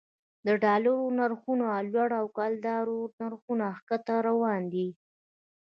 د ډالرو نرخونه لوړ او د کلدارو نرخونه ښکته روان دي